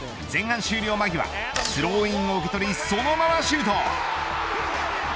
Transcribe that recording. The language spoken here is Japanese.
前半終了間際スローインを受け取りそのままシュート。